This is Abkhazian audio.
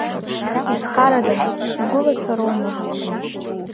Изхарада нас, угәылацәа роума?